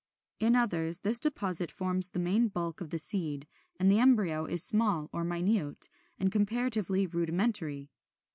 In others this deposit forms the main bulk of the seed, and the embryo is small or minute, and comparatively rudimentary.